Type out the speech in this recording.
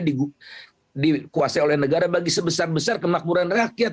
dikuasai oleh negara bagi sebesar besar kemakmuran rakyat